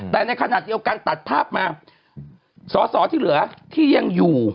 แต่ในขณะเดียวกันตัดภาพมาสอสอที่เหลือที่ยังอยู่